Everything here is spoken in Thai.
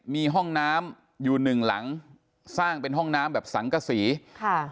มีห้องน้ำอยู่หนึ่งหลังสร้างเป็นห้องน้ำแบบสังกษีค่ะ